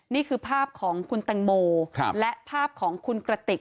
นี่คือภาพของคุณแตงโมและภาพของคุณกระติก